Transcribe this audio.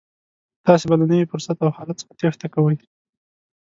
تاسې به له نوي فرصت او حالت څخه تېښته کوئ.